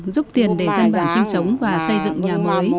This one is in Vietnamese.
giúp tiền để dân bản sinh sống và xây dựng nhà